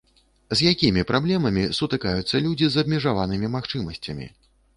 З якімі праблемамі сутыкаюцца людзі з абмежаванымі магчымасцямі?